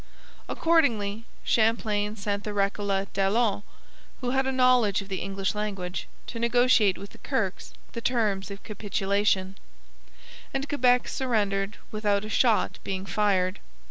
Accordingly Champlain sent the Recollet Daillon, who had a knowledge of the English language, to negotiate with the Kirkes the terms of capitulation; and Quebec surrendered without a shot being fired.